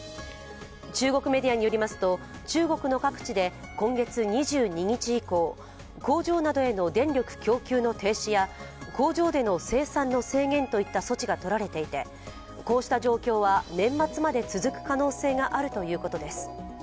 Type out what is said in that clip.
中国メディアによりますと中国の各地で今月２２日以降、工場などへの電力供給の停止や工場での生産の制限といった措置が取られていてこうした状況は年末まで続く可能性があるということです。